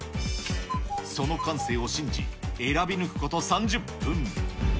その感性を信じ、選び抜くこと３０分。